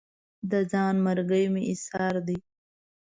دا ځان مرګي مې ایسار دي